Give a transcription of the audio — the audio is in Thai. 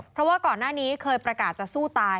เพราะว่าก่อนหน้านี้เคยประกาศจะสู้ตาย